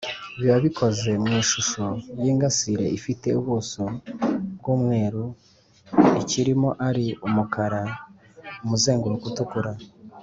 biba bikoze mwishusho y’ingasire ifite ubuso bw’umweru ikirimo ari Umukara umuzenguruko utukura